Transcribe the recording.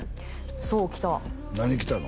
そう来た何来たの？